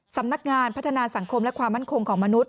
สำนักงานพัฒนาสังคมและความคิดของนายสมคิตฆาตกรต่อเนื่อง